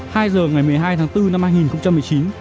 hai giờ ngày một mươi hai tháng bốn năm hai nghìn một mươi chín